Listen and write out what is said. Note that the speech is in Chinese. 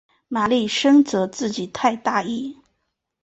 玛丽深责自己太大意。